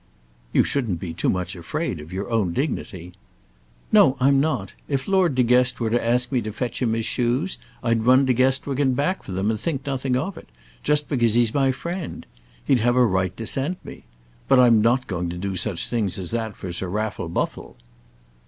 "You shouldn't be too much afraid of your own dignity." "No, I'm not. If Lord De Guest were to ask me to fetch him his shoes, I'd run to Guestwick and back for them and think nothing of it, just because I know he's my friend. He'd have a right to send me. But I'm not going to do such things as that for Sir Raffle Buffle."